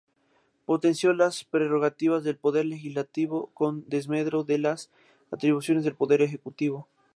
Potenció las prerrogativas del Poder Legislativo, con desmedro de las atribuciones del Poder Ejecutivo.